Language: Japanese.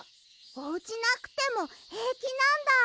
おうちなくてもへいきなんだ。